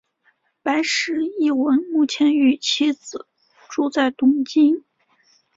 白石一文目前与妻子住在东京。